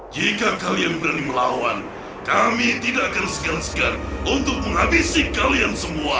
jika kalian berani melawan kami tidak akan segan segan untuk menghabisi kalian semua